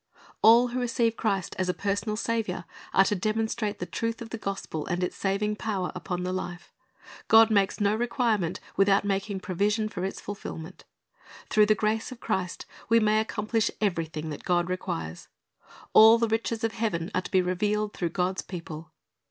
All who receive Christ as a personal Saviour are to demonstrate the truth of the gospel and its saving power upon the life. God makes no requirement without making provision for its fulfilment. Through the grace of Christ we may accomplish everything that God requires. All the riches of heaven are to be revealed through God's people.